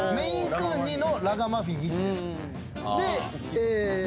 クーン２のラガマフィン１です。